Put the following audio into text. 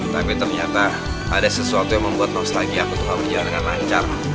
tapi ternyata ada sesuatu yang membuat nostalgia ku untuk aku jalan dengan lancar